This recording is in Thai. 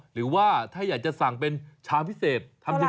หรือว่าถ้าอยากจะสั่งเป็นชามพิเศษทำยังไง